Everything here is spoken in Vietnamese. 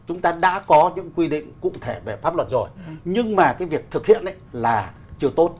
chúng ta đã có những quy định cụ thể về pháp luật rồi nhưng mà cái việc thực hiện ấy là chưa tốt